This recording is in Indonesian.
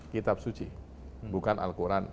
kitab suci bukan al quran